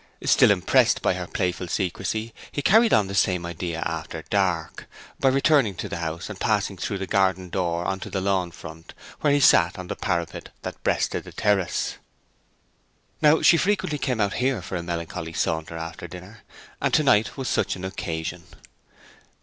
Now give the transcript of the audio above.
Still impressed by her playful secrecy he carried on the same idea after dark, by returning to the house and passing through the garden door on to the lawn front, where he sat on the parapet that breasted the terrace. Now she frequently came out here for a melancholy saunter after dinner, and to night was such an occasion.